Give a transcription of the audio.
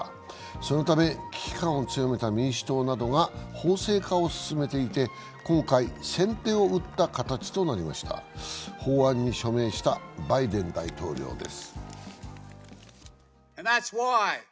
そのため危機感を強めた民主党などが法制化を進めていて今回、先手を打った形となりました法案に署名したバイデン大統領です。